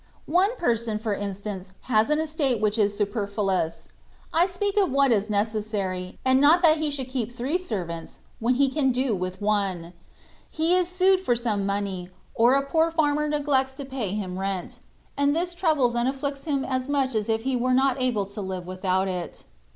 One person, for instance, has an estate which is superfluous. I speak of what is necessary, and not that he should keep three servants, when he can do with one : he is sued for some money, or a o 2 196 THE WAY OP PERFECTION. poor farmer neglects to pay him his rent, and this troubles and afflicts him as much as if he were not able to live without it.